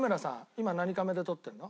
今何カメで撮ってるの？